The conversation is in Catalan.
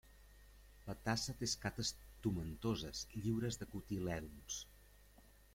La tassa té escates tomentoses, lliures de cotilèdons.